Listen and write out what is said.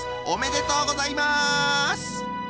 おめでとうございます！